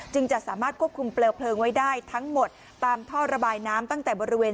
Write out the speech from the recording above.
จะสามารถควบคุมเปลวเพลิงไว้ได้ทั้งหมดตามท่อระบายน้ำตั้งแต่บริเวณ